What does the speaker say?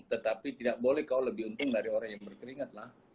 tetapi tidak boleh kau lebih untung dari orang yang berkeringat lah